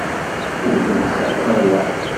Ur tent-sseɣtayeɣ.